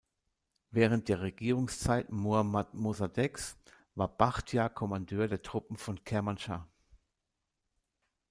Während der Regierungszeit Mohammad Mossadeghs war Bachtiar Kommandeur der Truppen von Kermānschāh.